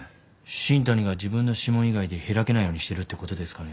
新谷が自分の指紋以外で開けないようにしてるってことですかね？